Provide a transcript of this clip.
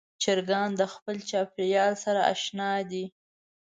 چرګان د خپل چاپېریال سره اشنا دي.